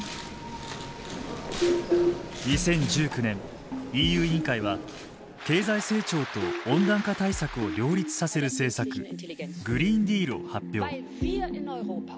２０１９年ＥＵ委員会は経済成長と温暖化対策を両立させる政策グリーンディールを発表。